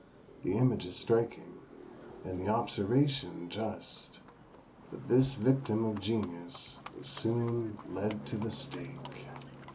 The image is striking, and the observation just; but this victim of genius was soon led to the stake!